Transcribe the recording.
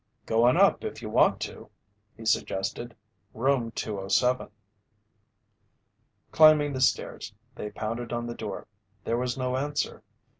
"Go on up if you want to," he suggested. "Room 207." Climbing the stairs, they pounded on the door. There was no answer.